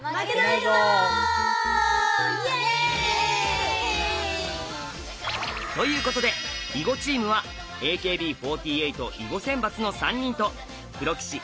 イエーイ！ということで囲碁チームはＡＫＢ４８囲碁選抜の３人とプロ棋士